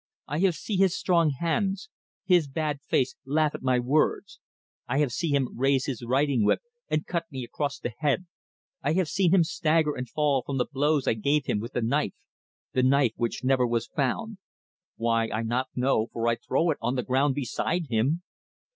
I have see his strong hands; his bad face laugh at my words; I have see him raise his riding whip and cut me across the head. I have see him stagger and fall from the blows I give him with the knife the knife which never was found why, I not know, for I throw it on the ground beside him!